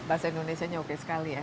bahasa indonesia nya oke sekali ya